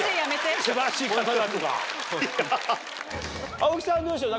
青木さんどうでしょう？